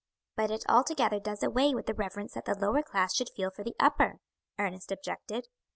"But it altogether does away with the reverence that the lower class should feel for the upper," Ernest objected.